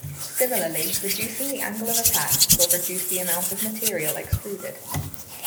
Similarly, reducing the angle of attack will reduce the amount of material extruded.